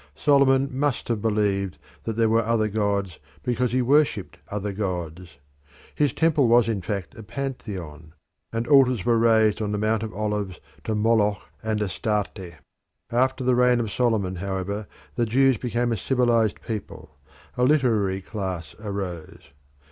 Solomon must have believed that there were other gods because he worshipped other gods. His temple was in fact a Pantheon, and altars were raised on the Mount of Olives to Moloch and Astarte. After the reign of Solomon, however, the Jews became a civilised people; a literary class arose.